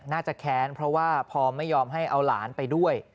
แค้นเพราะว่าพอไม่ยอมให้เอาหลานไปด้วย